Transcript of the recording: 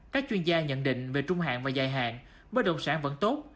các chuyên gia nhận định về trung hạn và dài hạn bởi đồng sản vẫn tốt